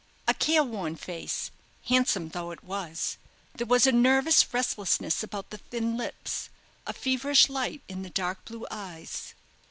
A careworn face handsome though it was. There was a nervous restlessness about the thin lips, a feverish light in the dark blue eyes.